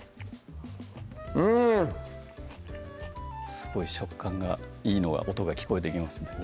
すごい食感がいいのが音が聞こえてきますね